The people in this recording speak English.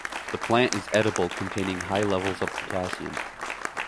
The plant is edible, containing high levels of potassium.